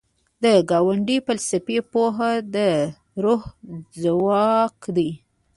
د ګاندي فلسفي پوهه د روح ځواک دی.